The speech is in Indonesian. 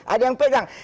ada yang pegang